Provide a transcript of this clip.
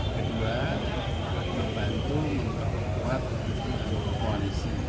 kedua membantu membuat kondisi